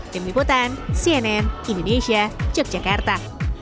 tim liputan cnn indonesia yogyakarta